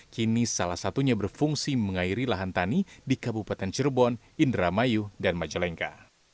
kini salah satunya berfungsi mengairi lahan tani di kabupaten cirebon indramayu dan majalengka